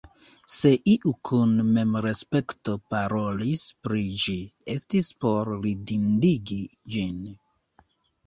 Se iu kun memrespekto parolis pri ĝi, estis por ridindigi ĝin.